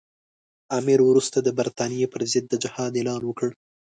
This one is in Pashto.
امیر وروسته د برټانیې پر ضد د جهاد اعلان وکړ.